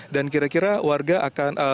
dan kira kira warga akan